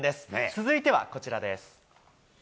続いてはこちらです。